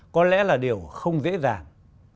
có lẽ là điều không dễ dàng